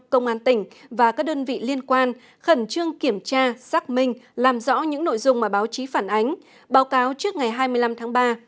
công an tỉnh và các đơn vị liên quan khẩn trương kiểm tra xác minh làm rõ những nội dung mà báo chí phản ánh báo cáo trước ngày hai mươi năm tháng ba